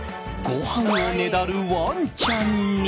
ごはんをねだるワンちゃんに。